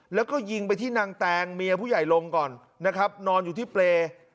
แล้วก็ยิงไปที่นางแตงเมียผู้ใหญ่ลงก่อนนะครับนอนอยู่ที่เปรย์